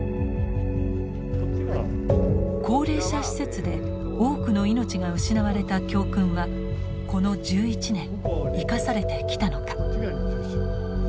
高齢者施設で多くの命が失われた教訓はこの１１年生かされてきたのか。